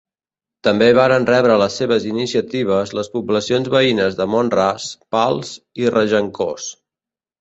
També varen rebre les seves iniciatives les poblacions veïnes de Mont-ras, Pals i Regencós.